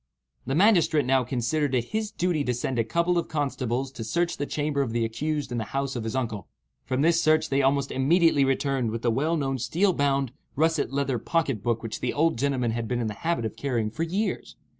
The magistrate now considered it his duty to send a couple of constables to search the chamber of the accused in the house of his uncle. From this search they almost immediately returned with the well known steel bound, russet leather pocket book which the old gentleman had been in the habit of carrying for years.